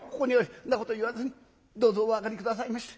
「そんなこと言わずにどうぞお上がり下さいまして」。